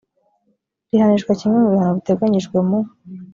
rihanishwa kimwe mu bihano biteganyijwe mu